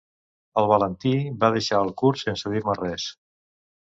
El Valentí va deixar el curs sense dir-me res.